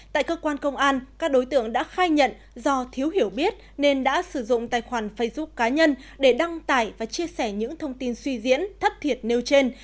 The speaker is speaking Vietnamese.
tại cơ quan công an các đối tượng đã khai nhận do thiếu hiểu biết nên đã sử dụng tài khoản facebook cá nhân để đăng tải và chia sẻ những thông tin suy diễn thất thiệt nêu trên